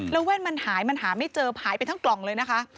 แล้วแว่นมันหายมันหาไม่เจอหายไปทั้งกล่องเลยนะคะ